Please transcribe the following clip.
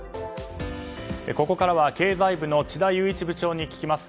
ここからは経済部の智田裕一部長に聞きます。